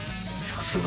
さすが。